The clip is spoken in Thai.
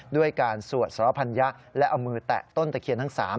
ด้วยการสวดสรพัญญะและเอามือแตะต้นตะเคียนทั้ง๓